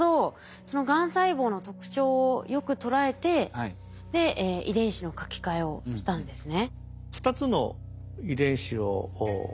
そのがん細胞の特徴をよく捉えてで遺伝子の書き換えをしたんですね。